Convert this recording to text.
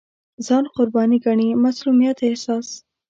ځان قرباني ګڼي مظلومیت احساس